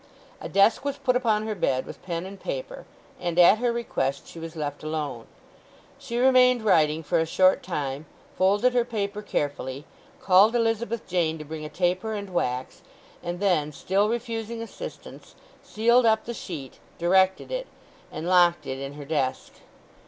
A desk was put upon her bed with pen and paper, and at her request she was left alone. She remained writing for a short time, folded her paper carefully, called Elizabeth Jane to bring a taper and wax, and then, still refusing assistance, sealed up the sheet, directed it, and locked it in her desk.